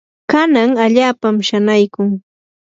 kan allaapam shanaykun.